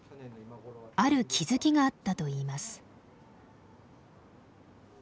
ある気付きがあったといいます。